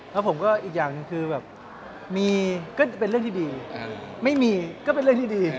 แล้วผมก็อีกอย่างหนึ่งคือแบบมีก็เป็นเรื่องที่ดีไม่มีก็เป็นเรื่องที่ดี